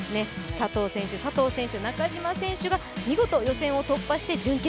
佐藤選手、佐藤選手、中島選手が予選を突破しました。